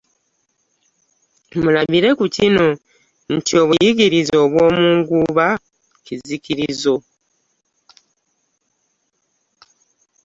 Mulabire ku kino nti obuyigirize obw'omunguba, kizikirizo.